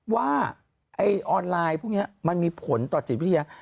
ว่าออนไลน์พวกนี้มันมีผลต่อจิตวิทยา